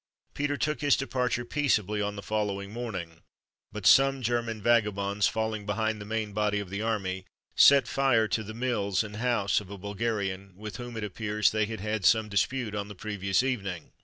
Peter took his departure peaceably on the following morning; but some German vagabonds, falling behind the main body of the army, set fire to the mills and house of a Bulgarian, with whom, it appears, they had had some dispute on the previous evening.